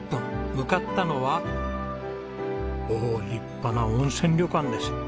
向かったのはおお立派な温泉旅館です。